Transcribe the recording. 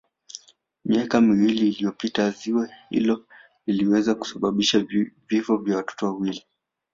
Miaka miwili iliyopita ziwa hilo liliweza kusababisha vifo vya watoto wawili